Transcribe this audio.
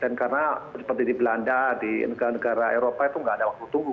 dan karena seperti di belanda di negara negara eropa itu nggak ada waktu tunggu